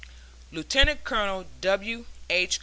LIEUTENANT COLONEL W. H.